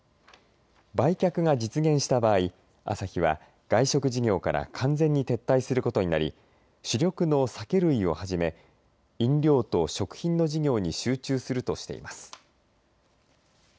売却が実現した場合アサヒは外食事業から完全に撤退することになり主力の酒類をはじめ飲料と食品の事業に集中するとしています。